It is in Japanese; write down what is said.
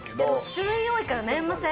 種類多いから、悩みません？